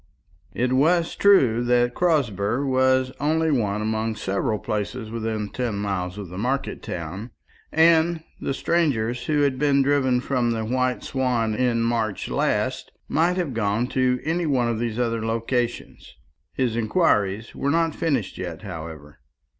It was true that Crosber was only one among several places within ten miles of the market town, and the strangers who had been driven from the White Swan in March last might have gone to any one of those other localities. His inquiries were not finished yet, however.